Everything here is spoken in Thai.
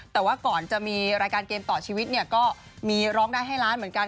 แต่ว่าก่อนจะมีรายการเกมต่อชีวิตเนี่ยก็มีร้องได้ให้ล้านเหมือนกัน